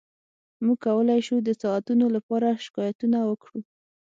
موږ کولی شو د ساعتونو لپاره شکایتونه وکړو